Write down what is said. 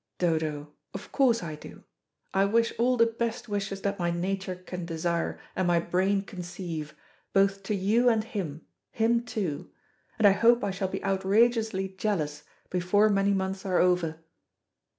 "Dodo, of course I do. I wish all the best wishes that my nature can desire and my brain conceive, both to you and him, him too; and I hope I shall be outrageously jealous before many months are over."